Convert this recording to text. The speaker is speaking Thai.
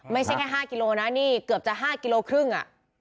ไม่ใช่แค่๕กิโลนะนี่เกือบจะ๕กิโลครึ่งอ่ะ